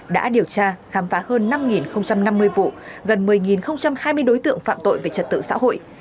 đã điều tra khám phá hơn năm năm mươi vụ gần một mươi hai mươi đối tượng phạm tội về trật tự xã hội